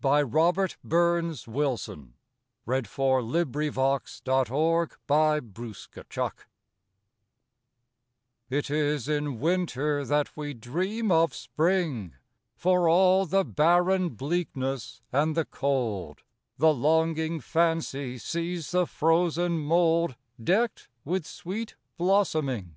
By Robert BurnsWilson 1047 It Is in Winter That We Dream of Spring IT is in Winter that we dream of Spring; For all the barren bleakness and the cold, The longing fancy sees the frozen mouldDecked with sweet blossoming.